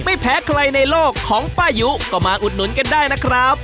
ไม่แพ้ใครในโลกของป้ายุก็มาอุดหนุนกันได้นะครับ